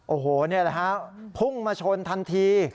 โอ้โหนี่แหละฮะพุ่งมาชนทันที